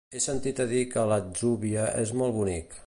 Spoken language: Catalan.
He sentit a dir que l'Atzúbia és molt bonic.